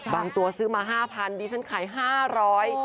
บางตัวซื้อมา๕๐๐๐ดีฉันขาย๕๐๐